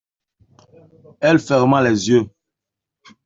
Elle ferma les yeux.